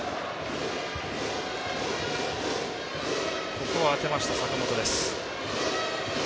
ここは当てました、坂本。